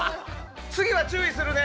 次は注意するね。